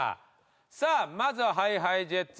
さあまずはＨｉＨｉＪｅｔｓ